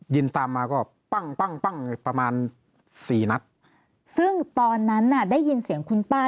ินตามมาก็ปั้งปั้งปั้งประมาณสี่นัดซึ่งตอนนั้นน่ะได้ยินเสียงคุณป้า